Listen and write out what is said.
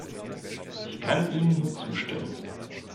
Ich kann Ihnen nur zustimmen.